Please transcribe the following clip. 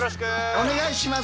お願いします。